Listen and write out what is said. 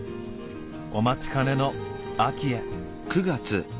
お待ちかねの秋へ。